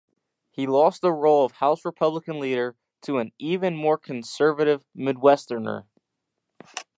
He lost the role of House Republican leader to an even more conservative Midwesterner.